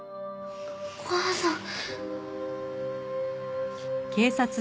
お母さん。